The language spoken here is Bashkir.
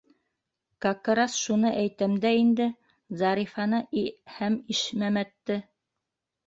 Какырас шуны әйтәм дә инде: Зарифаны и һәм Ишмәмәтте.